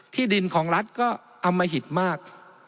ที่ดินของรัฐก็อมหิตมาก